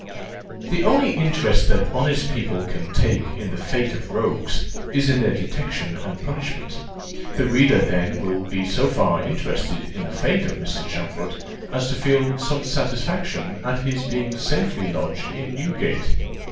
The only interest that honest people can take in the fate of rogues is in their detection and punishment; the reader, then, will be so far interested in the fate of Mr. Champfort, as to feel some satisfaction at his being safely lodged in Newgate.